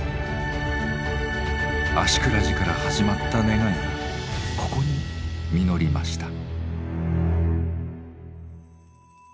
芦峅寺から始まった願いがここに実りました。